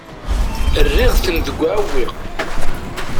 Rriɣ-ten deg uɛewwiq.